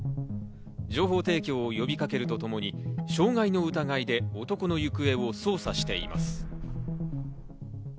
情報提供を呼びかけるとともに、障害の疑いで男の行方を捜査しています。